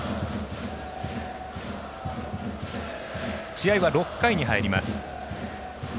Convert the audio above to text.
試合は６回に入ります。